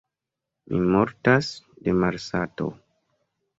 Mi mortas de malsato!